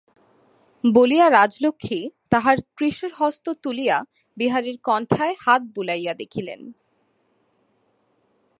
বলিয়া রাজলক্ষ্মী তাঁহার কৃশ হস্ত তুলিয়া বিহারীর কণ্ঠায় হাত বুলাইয়া দেখিলেন।